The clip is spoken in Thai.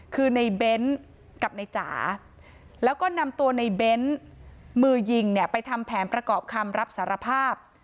คือในเบ้นกับในจ๋าแล้วก็นำตัวในเบ้นมือยิงเนี่ยไปทำแผนประกอบคำรับสารภาพ